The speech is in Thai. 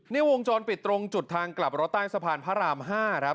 นี่วงจรปิดตรงจุดทางกลับรถใต้สะพานพระราม๕ครับ